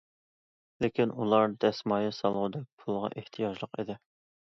لېكىن ئۇلار دەسمايە سالغۇدەك پۇلغا ئېھتىياجلىق ئىدى.